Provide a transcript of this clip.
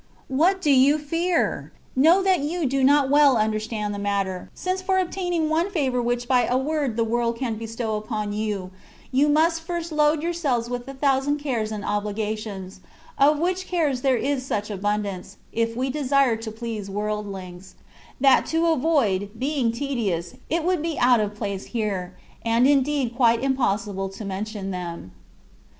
What do you fear? Know that you do not well understand the matter, since for obtaining one favour which by a word the world can bestow upon you, you must first load yourselves with a thousand cares and obli gations, of which cares there is such abundance ^ we desire to please worldlings), that to avoid being tedious, it would be out of place here, and indeed quite impossible to mention them.